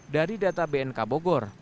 dari data bnk bogor